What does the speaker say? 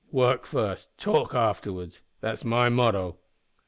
Work first, talk afterwards. That's my motto."